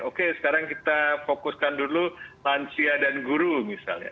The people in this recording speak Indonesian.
oke sekarang kita fokuskan dulu lansia dan guru misalnya